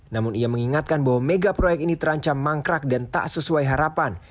namun ia mengingatkan bahwa mega proyek ini terancam mangkrak dan tak sesuai harapan